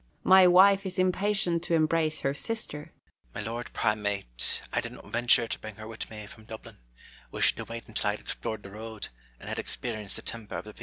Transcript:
My wife is impatient to embrace her sister. Savage. My lord primate, I did not venture to bring her with me from Dublin, wishing to wait until I had explored the road, and had experienced the temper of the people.